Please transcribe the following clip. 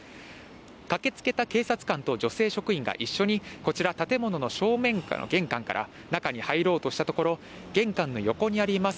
駆けつけた警察官と女性職員が一緒に、こちら、建物の正面玄関から中に入ろうとしたところ、玄関の横にあります